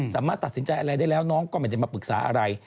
สามารถตัดสินใจอะไรได้แล้วน้องก็ไม่ได้มาปรึกษาอะไร